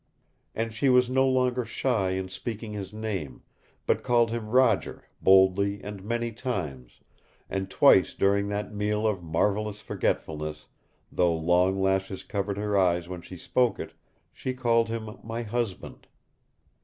And she was no longer shy in speaking his name, but called him Roger boldly and many times, and twice during that meal of marvelous forgetfulness though long lashes covered her eyes when she spoke it she called him 'my husband.'